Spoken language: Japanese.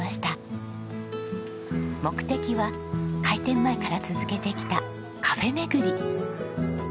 目的は開店前から続けてきたカフェ巡り。